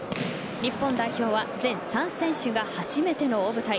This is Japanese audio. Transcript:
日本代表は全３選手が初めての大舞台。